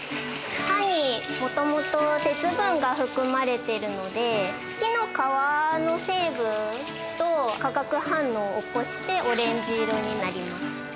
歯にもともと鉄分が含まれてるので、木の皮の成分と化学反応を起こしてオレンジ色になります。